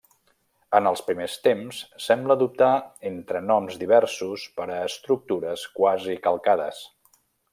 En els primers temps sembla dubtar entre noms diversos per a estructures quasi calcades.